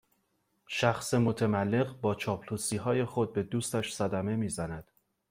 شخص متملق با چاپلوسیهای خود به دوستش صدمه میزند